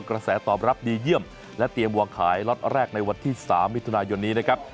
กระแสตอบรับดีเยี่ยมและเตรียมวางขายล็อตแรกในวันที่๓มิถุนายนนี้นะครับ